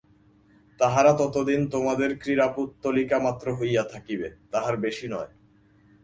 তাহারা ততদিন তোমাদের ক্রীড়া-পুত্তলিকা মাত্র হইয়া থাকিবে, তার বেশী নয়।